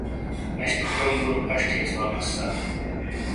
اش تو کروم بُڑو پھش تھیئس وا مسّا۔